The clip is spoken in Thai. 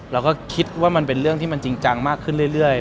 เราก็คิดว่ามันเป็นเรื่องที่มันจริงจังมากขึ้นเรื่อย